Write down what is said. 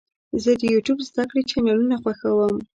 زه د یوټیوب زده کړې چینلونه خوښوم.